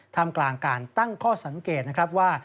ทำกลางการตั้งข้อสังเกตนะครับว่า